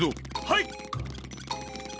はい！